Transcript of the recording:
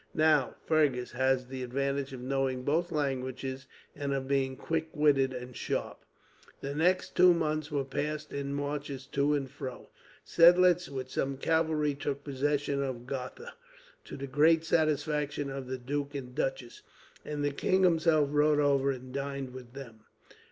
Now, Fergus has the advantage of knowing both languages, and of being quick witted and sharp." The next two months were passed in marches to and fro. Seidlitz, with some cavalry, took possession of Gotha, to the great satisfaction of the duke and duchess; and the king himself rode over and dined with them.